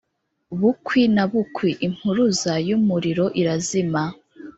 bukwi na bukwi, impuruza y'umuriro irazima